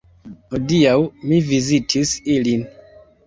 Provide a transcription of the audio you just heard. Hodiaŭ mi vizitis ilin.